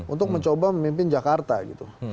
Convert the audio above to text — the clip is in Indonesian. untuk mencoba memimpin jakarta gitu